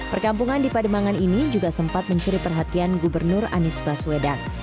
perkampungan di pademangan ini juga sempat mencuri perhatian gubernur anies baswedan